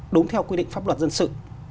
đúng theo quy định pháp luật dân sự